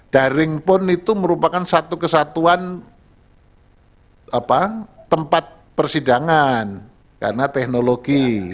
daring pun itu merupakan satu kesatuan tempat persidangan karena teknologi